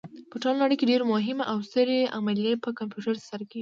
په ټوله نړۍ کې ډېرې مهمې او سترې عملیې په کمپیوټر ترسره کېږي.